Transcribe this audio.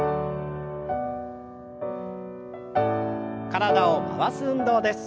体を回す運動です。